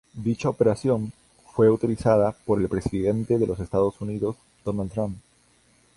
Dicha operación fue autorizada por el Presidente de los Estados Unidos, Donald Trump.